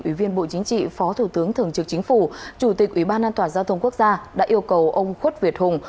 ủy viên bộ chính trị phó thủ tướng thường trực chính phủ chủ tịch ủy ban an toàn giao thông quốc gia đã yêu cầu ông khuất việt hùng